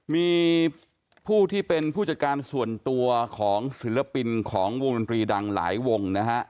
มีผู้ที่เป็นผู้จัดการส่วนตัวของศิลปินของวงดนตรีดังหลายวงนะฮะ